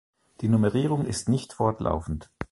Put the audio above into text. Die Nummerierung ist nicht fortlaufend.